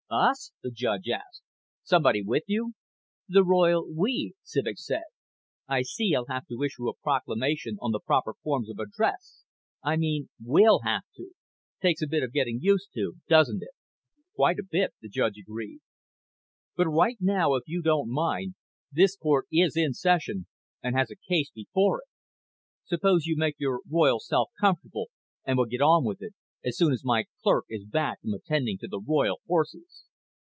"Us?" the judge asked. "Somebody with you?" "The royal 'we,'" Civek said. "I see I'll have to issue a proclamation on the proper forms of address. I mean, we'll have to. Takes a bit of getting used to, doesn't it?" "Quite a bit," the judge agreed. "But right now, if you don't mind, this court is in session and has a case before it. Suppose you make your royal self comfortable and we'll get on with it as soon as my clerk is back from attending to the royal horses."